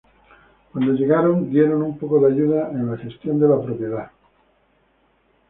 Cuando llegaron, dieron un poco de ayuda en la gestión de la propiedad.